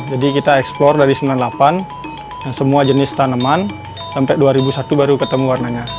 jadi kita eksplor dari seribu sembilan ratus sembilan puluh delapan dan semua jenis tanaman sampai dua ribu satu baru ketemu warnanya